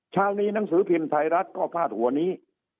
เช้านี้หนังสือพิมพ์ไทยรัฐก็พาดหัวนี้